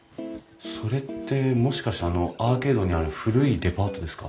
それってもしかしてアーケードにある古いデパートですか？